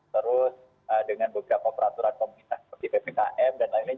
terus dengan beberapa peraturan pemerintah seperti ppkm dan lain lain